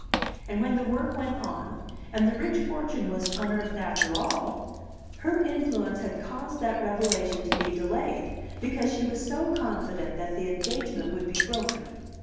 And when the work went on, and the rich fortune was unearthed after all, her influence had caused that revelation to be delayed because she was so confident that the engagement would be broken.